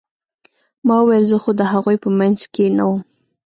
ما وويل زه خو د هغوى په منځ کښې نه وم.